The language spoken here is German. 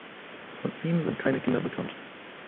Von ihm sind keine Kinder bekannt.